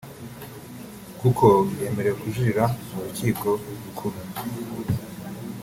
kuko yemerewe kujurira mu Rukiko Rukuru